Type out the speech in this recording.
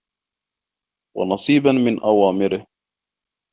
وَنَصِيبًا مِنْ أَوَامِرِهِ